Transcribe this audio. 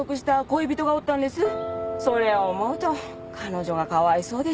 それを思うと彼女がかわいそうで。